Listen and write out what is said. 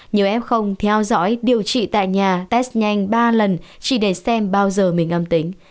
nếu f theo dõi điều trị tại nhà test nhanh ba lần chỉ để xem bao giờ mình âm tính